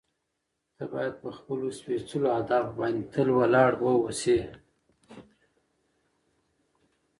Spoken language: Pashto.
ته باید په خپلو سپېڅلو اهدافو باندې تل ولاړ واوسې.